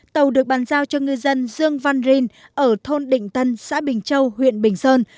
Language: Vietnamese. tàu được bàn giao cho ngư dân dương văn rin ở thôn định tân xã bình châu huyện bình sơn